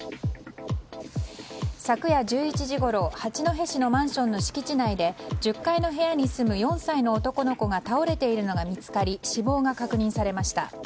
昨夜１１時ごろ八戸市のマンションの敷地内で１０階の部屋に住む４歳の男の子が倒れているのが見つかり死亡が確認されました。